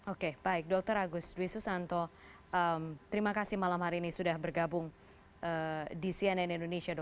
oke baik dokter agus dwi susanto terima kasih malam hari ini sudah bergabung di cnn indonesia